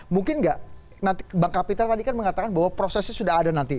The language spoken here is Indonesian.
mungkin nggak nanti bang kapitra tadi kan mengatakan bahwa prosesnya sudah ada nanti